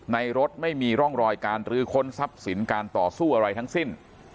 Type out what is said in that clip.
รถไม่มีร่องรอยการรื้อค้นทรัพย์สินการต่อสู้อะไรทั้งสิ้น